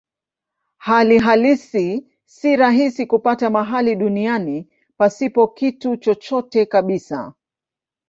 Hali halisi si rahisi kupata mahali duniani pasipo kitu chochote kabisa.